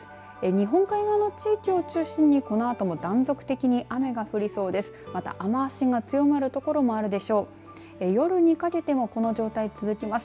日本海側の地域を中心にこのあとも断続的に雨が降りそうです。